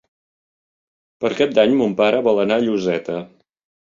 Per Cap d'Any mon pare vol anar a Lloseta.